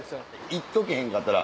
行っとけへんかったら